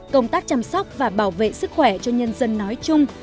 công tác chăm sóc và bảo vệ sức khỏe cho nhân dân nói chung